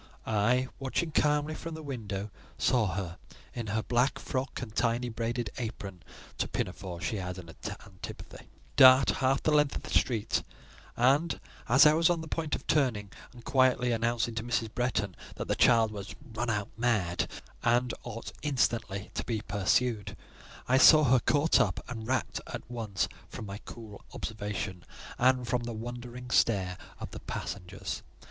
I—watching calmly from the window—saw her, in her black frock and tiny braided apron (to pinafores she had an antipathy), dart half the length of the street; and, as I was on the point of turning, and quietly announcing to Mrs. Bretton that the child was run out mad, and ought instantly to be pursued, I saw her caught up, and rapt at once from my cool observation, and from the wondering stare of the passengers.